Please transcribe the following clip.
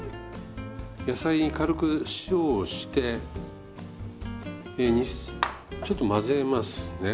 野菜に軽く塩をしてちょっと混ぜますね。